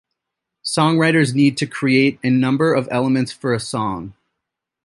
Songwriters need to create a number of elements for a song.